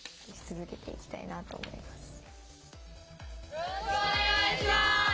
よろしくお願いします。